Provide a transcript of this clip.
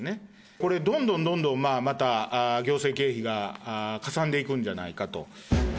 これ、どんどんどんどんまた行政経費がかさんでいくんじゃないかと。